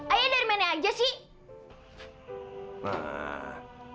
ayah dari mana aja sih